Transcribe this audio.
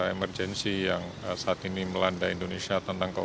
emergensi yang saat ini melanda indonesia tentang covid sembilan belas